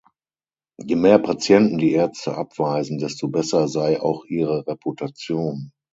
Je mehr Patienten die Ärzte abweisen, desto besser sei auch ihre Reputation.